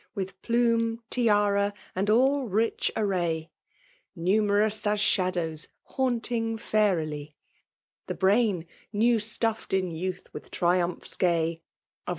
. tWith pl^ime, tiarai «iid all rich array ; Numerout as shadown, haunting fatrily '^^'' The brain, new vtafTd in youth with triumjjha gay Y «